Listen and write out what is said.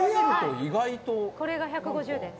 これが１５０です。